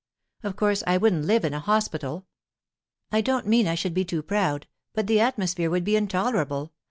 Of course I wouldn't live in a hospital. I don't mean I should be too proud, but the atmosphere would be intolerable.